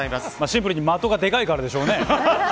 シンプルに的がでかいからでしょうね。